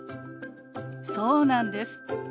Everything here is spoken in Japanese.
そうなんです。